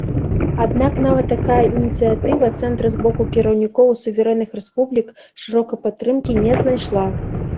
Аднак нават такая ініцыятыва цэнтра з боку кіраўнікоў суверэнных рэспублік шырокай падтрымкі не знайшла.